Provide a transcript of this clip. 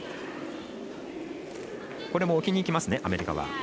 置きにいきますねアメリカ。